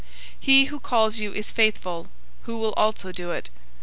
005:024 He who calls you is faithful, who will also do it.